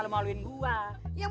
semati itu tuh atv